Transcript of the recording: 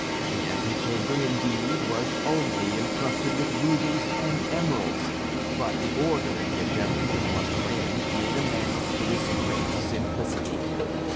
The antechamber, indeed, was only encrusted with rubies and emeralds, but the order in which everything was arranged made amends for this great simplicity.